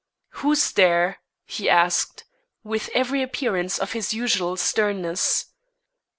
"Who is there?" he asked, with every appearance of his usual sternness.